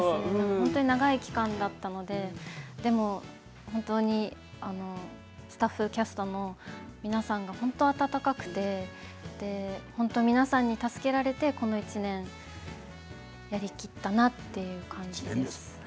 本当に長い期間だったのででも、本当にスタッフ、キャストの皆さんが本当に温かくて本当に皆さんに助けられてこの１年やりきったなという感じで。